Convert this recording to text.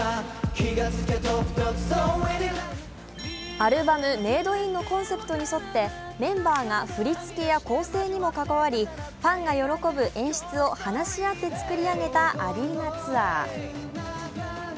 アルバム「Ｍａｄｅｉｎ」のコンセプトに沿って、メンバーが振り付けや構成にも関わりファンが喜ぶ演出を話し合って決めたアリーナツアー。